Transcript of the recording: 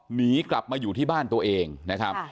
หนีกลับมาอยู่ที่บ้านตัวเองนะครับ